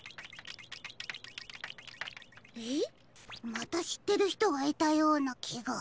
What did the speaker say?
またしってるひとがいたようなきが。